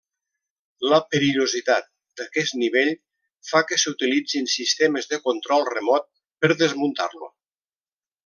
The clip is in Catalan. La perillositat d'aquest nivell fa que s'utilitzin sistemes de control remot per desmuntar-lo.